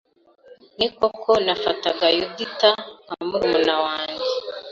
Ni koko nafataga Yudita nka murumuna wanjye